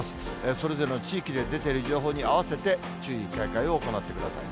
それぞれの地域で出ている情報に合わせて、注意、警戒を行ってください。